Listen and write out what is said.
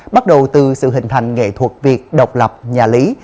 bắt đầu từ sự hình thành nghệ thuật việt độc lập nhà lý